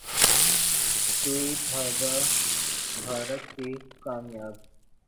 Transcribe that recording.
’سوئی دھاگہ‘ بھارت کی کامیاب